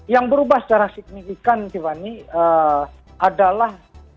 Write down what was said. yang berubah secara signifikan tiffany adalah